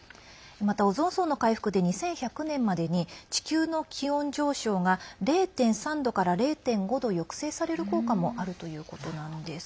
またオゾン層の回復で２１００年までに地球の気温上昇が０．３度から０．５度抑制される効果もあるということなんです。